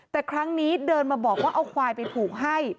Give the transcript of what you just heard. แต่ครั้งนี้เดินมาบอกว่าเอาควายไปผูกให้